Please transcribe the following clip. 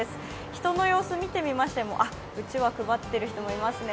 人の様子を見てみましても、うちわを配っている人もいますね。